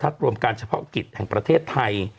ประทับรวมการเฉพาะอังกฤษแห่งประเทศไทย